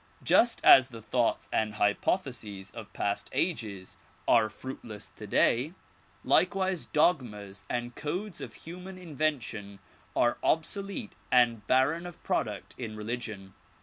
Just as the thoughts and hypotheses of past ages are fruitless today, likewise dogmas and codes of human invention are obsolete and barren of product in religion.